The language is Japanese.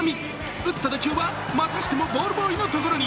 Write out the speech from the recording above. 打った打球はまたしてもボールボーイのところに。